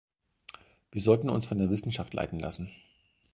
Wir sollten uns von der Wissenschaft leiten lassen.